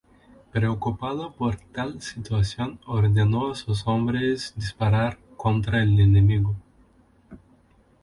Preocupado por tal situación ordenó a sus hombres disparar contra el enemigo.